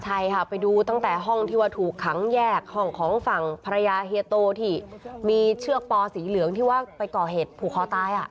ใช่ค่ะไปดูตั้งแต่ห้องที่ว่าถูกขังแยกห้องของฝั่งภรรยาเฮียโตที่มีเชือกปอสีเหลืองที่ว่าไปก่อเหตุผูกคอตาย